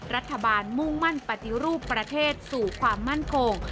มุ่งมั่นปฏิรูปประเทศสู่ความมั่นคง